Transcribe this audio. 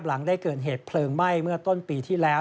หลังได้เกิดเหตุเพลิงไหม้เมื่อต้นปีที่แล้ว